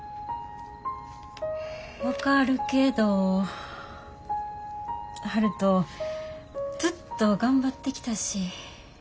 分かるけど悠人ずっと頑張ってきたし。